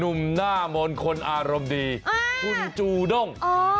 หนุ่มหน้ามนต์คนอารมณ์ดีคุณจูด้ง